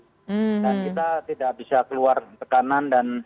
dan kita tidak bisa keluar tekanan dan